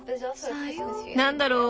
何だろう